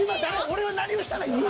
俺は何をしたらいい？